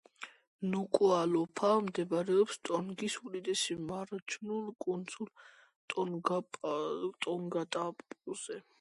ნუკუალოფა მდებარეობს ტონგის უდიდეს მარჯნულ კუნძულ ტონგატაპუზე.